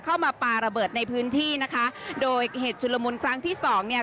ปลาระเบิดในพื้นที่นะคะโดยเหตุชุลมุนครั้งที่สองเนี่ย